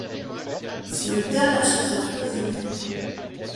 C’est notre dernière chance d’être vus!